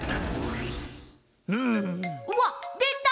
うわっでた！